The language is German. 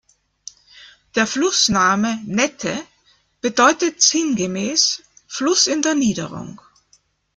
Der Flussname Nette bedeutet sinngemäß „Fluss in der Niederung“.